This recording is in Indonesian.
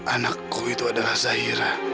anakku itu adalah zahira